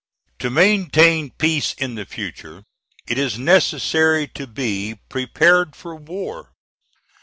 To maintain peace in the future it is necessary to be prepared for war.